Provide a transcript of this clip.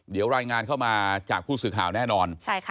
เดี๋ยวรายงานเข้ามาจากผู้สื่อข่าวแน่นอน